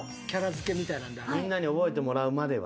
みんなに覚えてもらうまでは。